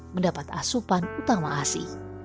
mendapat asupan utama asi